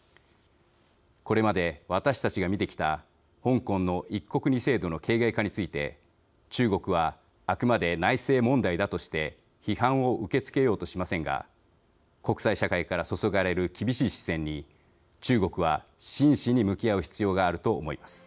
これまで私たちが見てきた香港の一国二制度の形骸化について中国はあくまで内政問題だとして批判を受け付けようとしませんが国際社会から注がれる厳しい視線に、中国は真摯に向き合う必要があると思います。